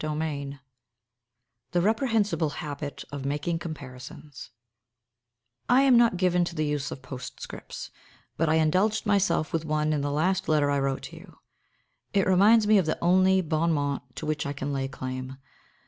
XXXI THE REPREHENSIBLE HABIT OF MAKING COMPARISONS I am not given to the use of postscripts, but I indulged myself with one in the last letter I wrote to you. It reminds me of the only bon mot to which I can lay claim.